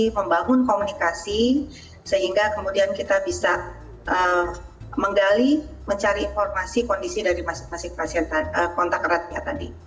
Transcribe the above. membangun komunikasi sehingga kemudian kita bisa menggali mencari informasi kondisi dari masing masing pasien kontak eratnya tadi